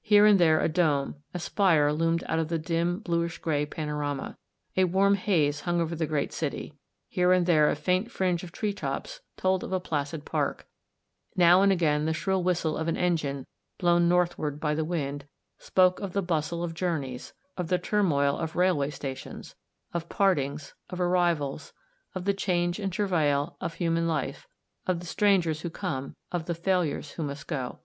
Here and there a dome, a spire loomed out of the dim bluish grey panorama. A warm haze hung over the great city ; here and there a faint fringe of tree tops told of a placid park ; now and again the shrill whistle of an engine, blown northward by the wind, spoke of the bustle of journeys, of the turmoil of railway stations, of partings, of arrivals, of the change and travail of human life, of the strangers who come, of the failures who must go.